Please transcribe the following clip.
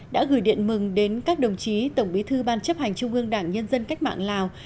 đã gửi điện mừng đến các đồng chí tổng bí thư ban chấp hành trung ương đảng nhân dân cách mạng lào